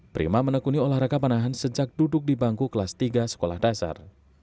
prima menekuni olahraga panahan sejak duduk di bangku kelas tiga sekolah dasar